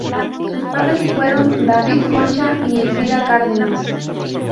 Sus padres fueron David Concha y Elvira Cárdenas.